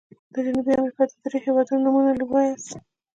د جنوبي امريکا د دریو هيوادونو نومونه ووایاست.